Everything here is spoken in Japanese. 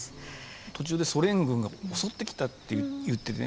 途中でソ連軍が襲ってきたって言ってね